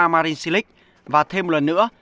marin cilic và thêm một lần nữa